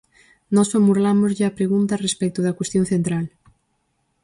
Nós formulámoslle a pregunta respecto da cuestión central.